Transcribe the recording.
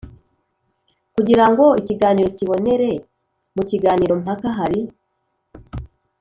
kugira ngo ikiganiro kibonere. Mu kiganiro mpaka, hari